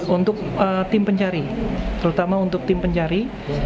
untuk tim pencari terutama untuk tim pencari